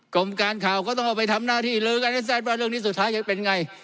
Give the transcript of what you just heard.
กรมการข่าวก็ต้องเอาไปทำหน้าที่ลือกันให้แซ่ดว่าเรื่องนี้สุดท้ายจะเป็นไง